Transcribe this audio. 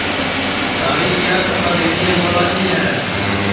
ساڑی کِیا سپا ٻیٹِیا مولا کی ہے